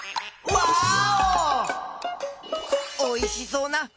ワーオ！